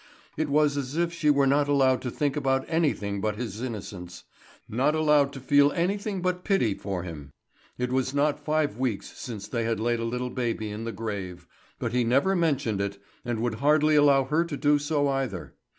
It was as if she were not allowed to think about anything but his innocence, not allowed to feel anything but pity for him. It was not five weeks since they had laid a little baby in the grave; but he never mentioned it, and would hardly allow her to do so either.